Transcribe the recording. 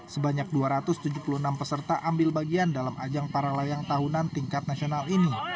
sebanyak dua ratus tujuh puluh enam peserta ambil bagian dalam ajang para layang tahunan tingkat nasional ini